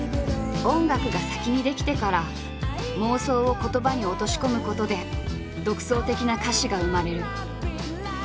音楽が先に出来てから妄想を言葉に落とし込むことで独創的な歌詞が生まれる。